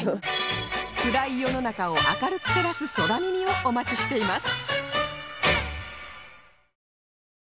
暗い世の中を明るく照らす空耳をお待ちしています